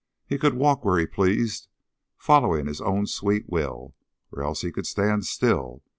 He could walk where he pleased, following his own sweet will, or else he could stand still.